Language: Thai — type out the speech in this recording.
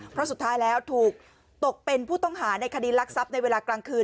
เพราะสุดท้ายแล้วถูกตกเป็นผู้ต้องหาในคดีรักทรัพย์ในเวลากลางคืน